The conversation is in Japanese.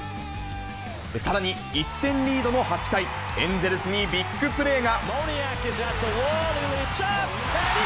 さらに、１点リードの８回、エンゼルスにビッグプレーが。